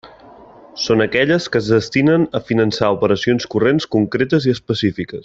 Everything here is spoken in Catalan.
Són aquelles que es destinen a finançar operacions corrents concretes i específiques.